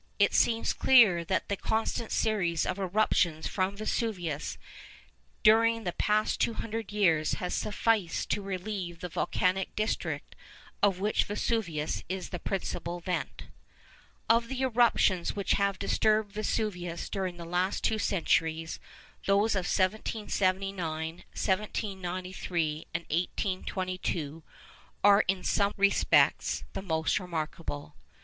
It seems clear that the constant series of eruptions from Vesuvius during the past two hundred years has sufficed to relieve the volcanic district of which Vesuvius is the principal vent. Of the eruptions which have disturbed Vesuvius during the last two centuries, those of 1779, 1793, and 1822, are in some respects the most remarkable.